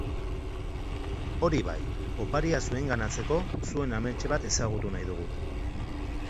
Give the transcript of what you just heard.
Hori bai, oparia zuenganatzeko zuen amets bat ezagutu nahi dugu.